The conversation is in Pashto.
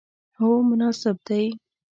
هو، مناسب دی